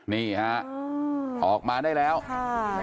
นี่ฮะออกมาได้แล้วค่ะ